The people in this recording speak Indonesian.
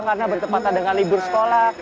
karena bertepatan dengan libur sekolah